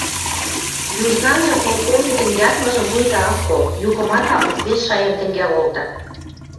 Южнамжы полковникӹн ядмыжым вуйта ак кол, юкымат ак лык, вес шаям тӹнгӓл колта.